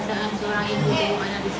seorang yang keluar makanya kami tahu